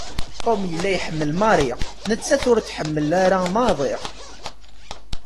Tom yella iḥemmel Marie, nettat ur t-tḥemmel ara maḍi.